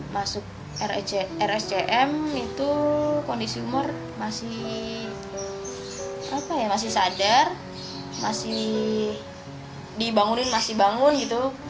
masuk rscm itu kondisi umur masih sadar masih dibangunin masih bangun gitu